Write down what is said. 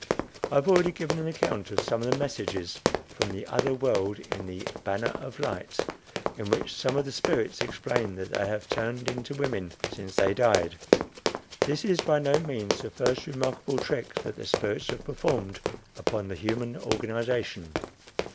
I have already given an account of some of the messages from the other world in the "Banner of Light," in which some of the spirits explain that they have turned into women since they died. This is by no means the first remarkable trick that the spirits have performed upon the human organization.